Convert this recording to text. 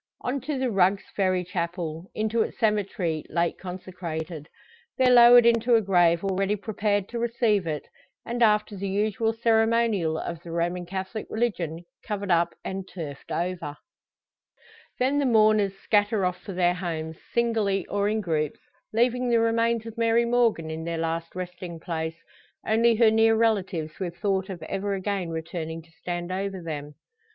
On to the Rugg's Ferry chapel, into its cemetery, late consecrated. There lowered into a grave already prepared to receive it; and, after the usual ceremonial of the Roman Catholic religion covered up, and turfed over. Then the mourners scatter off for their homes, singly or in groups, leaving the remains of Mary Morgan in their last resting place, only her near relatives with thought of ever again returning to stand over them.